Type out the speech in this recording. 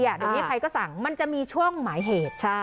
เดี๋ยวนี้ใครก็สั่งมันจะมีช่วงหมายเหตุ